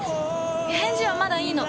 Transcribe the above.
返事はまだいいの。